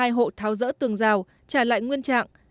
có một mươi hai hộ tháo rỡ tường rào trả lại nguyên trạng